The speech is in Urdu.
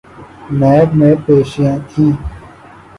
نیب میں پیشیاں تھیں۔